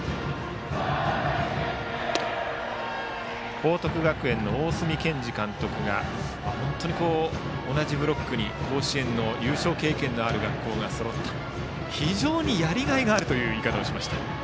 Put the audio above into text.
報徳学園の大角健二監督が同じブロックに甲子園の優勝経験のある学校がそろって非常にやりがいのあるという言い方をしました。